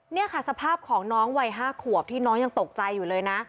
นี่ค่ะสภาพของน้องวัย๕ขวบที่น้องยังตกใจอยู่เลยนะ